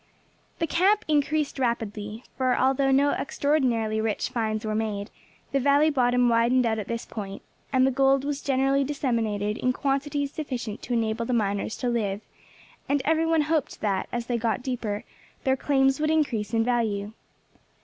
THE camp increased rapidly, for although no extraordinarily rich finds were made, the valley bottom widened out at this point, and the gold was generally disseminated in quantities sufficient to enable the miners to live, and every one hoped that, as they got deeper, their claims would increase in value.